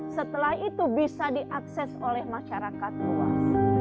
setelah itu bisa diakses oleh masyarakat luas